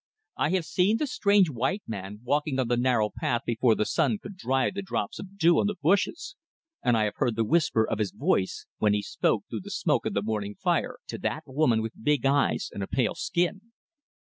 "I have seen the strange white man walking on the narrow path before the sun could dry the drops of dew on the bushes, and I have heard the whisper of his voice when he spoke through the smoke of the morning fire to that woman with big eyes and a pale skin.